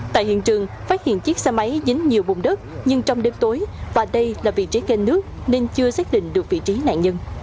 tại hiện trường phát hiện chiếc xe máy dính nhiều bùn đất nhưng trong đêm tối và đây là vị trí kênh nước nên chưa xác định được vị trí nạn nhân